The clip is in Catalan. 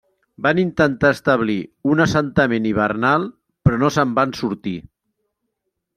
Van intentar establir un assentament hivernal, però no se'n van sortir.